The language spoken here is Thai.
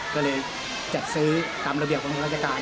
ก็เลยจัดซื้อตามระเบียบของทางราชการ